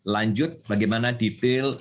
lanjut bagaimana detail